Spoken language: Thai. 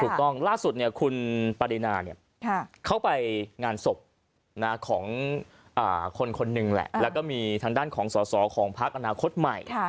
ถูกต้องล่าสุดคุณประดินาเนี่ยเข้าไปงานศพของคนนึงและก็มีทางด้านของสมศ่าลของภาคอนาคตใหม่